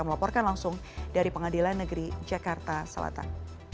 melaporkan langsung dari pengadilan negeri jakarta selatan